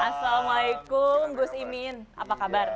assalamualaikum gus imin apa kabar